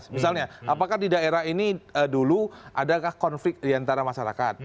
misalnya apakah di daerah ini dulu adakah konflik diantara masyarakat